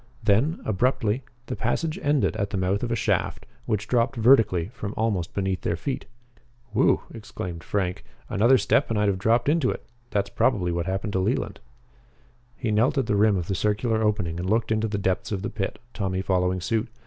Then, abruptly, the passage ended at the mouth of a shaft, which dropped vertically from almost beneath their feet. "Whew!" exclaimed Frank. "Another step and I'd have dropped into it. That's probably what happened to Leland." He knelt at the rim of the circular opening and looked into the depths of the pit, Tommy following suit.